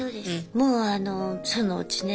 もうあのそのうちね